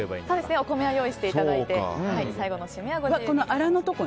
お米は用意していただいて最後のしめはご自由に。